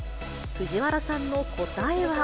藤原さんの答えは。